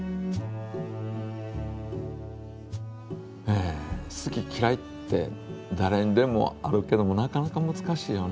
え好ききらいってだれにでもあるけどもなかなかむずかしいよね